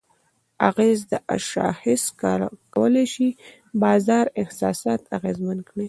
اغېز: دا شاخص کولی شي د بازار احساسات اغیزمن کړي؛